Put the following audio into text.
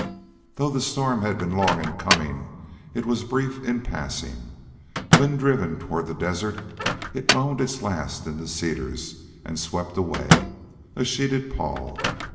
Though the storm had been long in coming it was brief in passing. Wind driven toward the desert, it moaned its last in the cedars, and swept away, a sheeted pall.